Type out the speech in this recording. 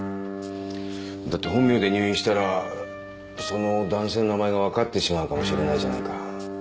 だって本名で入院したらその男性の名前が分かってしまうかもしれないじゃないか。